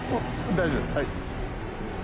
大丈夫ですはい。